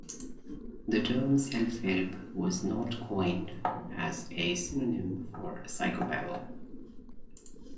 "The term "self-help" was not coined as a synonym for psychobabble.